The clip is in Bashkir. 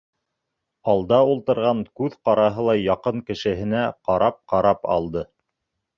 Алда ултырған күҙ ҡараһылай яҡын кешеһенә ҡарап-ҡарап алды.